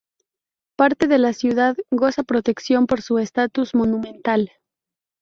Parte de la ciudad goza protección por su estatus monumental.